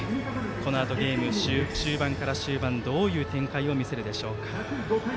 このあとゲーム中盤から終盤どういう展開を見せるでしょうか。